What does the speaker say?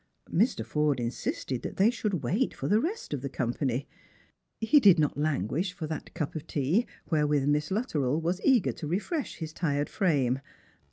Mr. Forde insisted that they should wait for the rest of the company. He did not languish for that cup of tea wherewith Miss Luttrell was eager to refresh his tired frame.